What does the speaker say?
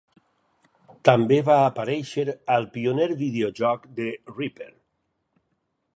També va aparèixer al pioner videojoc de "Ripper".